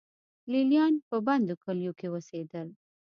لې لیان په بندو کلیو کې اوسېدل